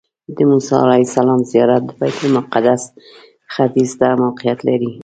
د موسی علیه السلام زیارت د بیت المقدس ختیځ ته موقعیت لري.